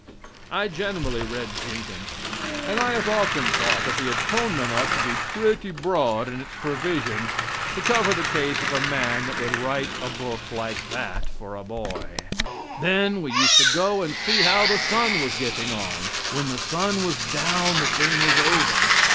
I generally read Jenkins; and I have often thought that the atonement ought to be pretty broad in its provisions to cover the case of a man that would write a book like that for a boy. Then we used to go and see how the sun was getting on when the sun was down the thing was over.